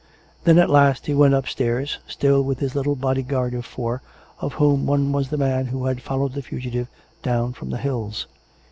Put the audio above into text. Then at last he went upstairs, still with his little body guard of four, of whom one was the man who had followed the fugitive down from the hills.